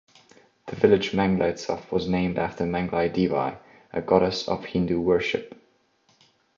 The village Mangla itself was named after Mangla Devi, a goddess of Hindu worship.